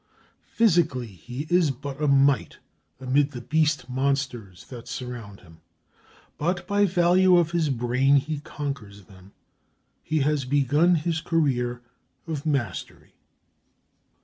Physically he is but a mite amid the beast monsters that surround him, but by value of his brain he conquers them. He has begun his career of mastery.